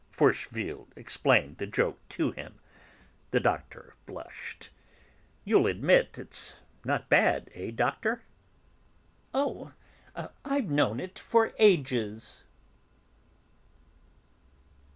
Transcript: Forcheville explained the joke to him. The Doctor blushed. "You'll admit it's not bad, eh, Doctor?" "Oh! I've known it for ages."